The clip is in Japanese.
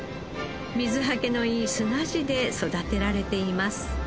水はけのいい砂地で育てられています。